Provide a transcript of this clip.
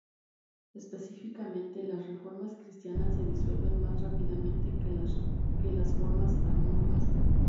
Específicamente, las formas cristalinas se disuelven más rápidamente que las formas amorfas.